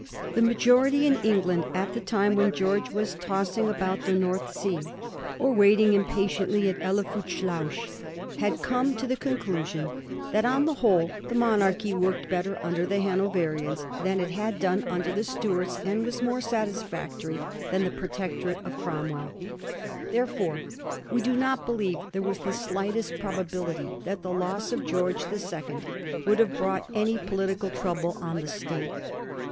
The majority in England at the time when George was tossing about the North Sea, or waiting impatiently at Helvoetsluis, had come to the conclusion VOL. II. — 4 74 A HISTORY OF THE FOUR GEORGES. ch.xxt. that on the whole the monarchy worked better under the Hanoverians than it had done under the Stuarts, and was more satisfactoiy than the protectorate of Cromwell. Therefore, we do not believe there was the slightest prob ability that the loss of George the Second would have brought any political trouble on the State.